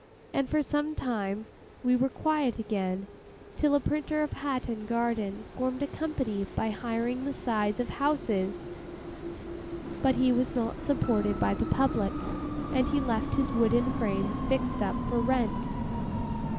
And for some time we were quiet again, till a printer of Hatton Garden formed a company by hiring the sides of houses; but he was not supported by the public, and he left his wooden frames fixed up for rent.